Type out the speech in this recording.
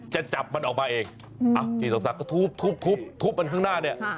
จะจับมันออกมาเองพี่สมศักดิ์ก็ทุบทุบมันข้างหน้าเนี่ย